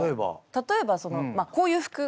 例えばそのこういう服。